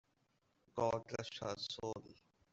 God rest her soul!